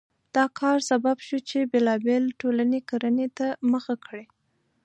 دا کار سبب شو چې بېلابېلې ټولنې کرنې ته مخه کړي.